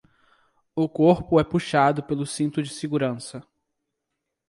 O corpo é puxado pelo cinto de segurança